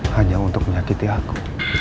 hanya untuk menyakiti aku